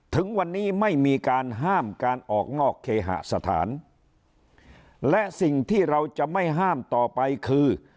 ถึงวันนี้ไม่มีการห้ามการออกนอกเคหสถานและสิ่งที่เราจะไม่ห้ามต่อไปคือ